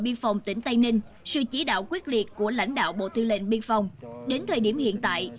biên phòng tỉnh tây ninh sự chỉ đạo quyết liệt của lãnh đạo bộ thư lệnh biên phòng đến thời điểm hiện tại